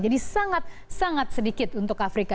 jadi sangat sangat sedikit untuk afrika